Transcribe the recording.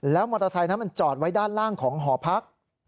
มอเตอร์ไซค์นั้นมันจอดไว้ด้านล่างของหอพัก